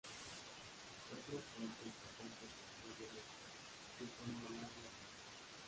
Otro afluente importante es el arroyo Orange, que forma el lago Orange.